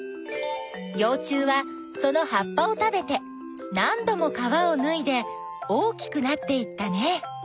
よう虫はそのはっぱを食べてなんども皮をぬいで大きくなっていったね。